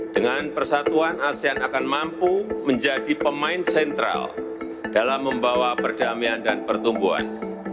dengan persatuan asean akan mampu menjadi pemain sentral dalam membawa perdamaian dan pertumbuhan